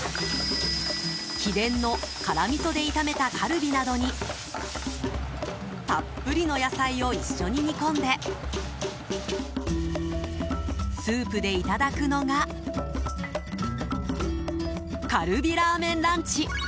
秘伝の辛みそで炒めたカルビなどにたっぷりの野菜を一緒に煮込んでスープでいただくのがカルビラーメンランチ。